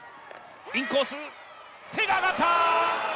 インコース、手があがった。